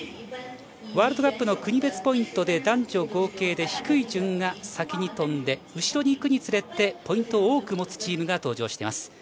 ワールドカップの国別ポイントで男女合計で低い順が先に飛んで、後ろにいくにつれてポイントを多く持つチームが登場します。